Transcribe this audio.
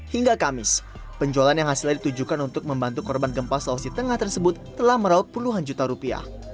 hingga kamis penjualan yang hasilnya ditujukan untuk membantu korban gempa sulawesi tengah tersebut telah meraup puluhan juta rupiah